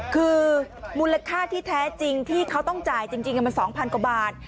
คือมูลค่าที่แท้จริงที่เขาต้องจ่ายจริงมัน๒๐๐กว่าบาท